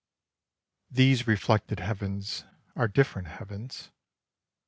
These reflected heavens are different heavens.